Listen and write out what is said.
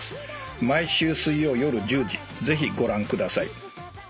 「毎週水曜夜１０時ぜひご覧ください」